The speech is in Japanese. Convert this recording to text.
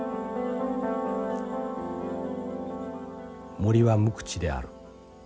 「森は無口である。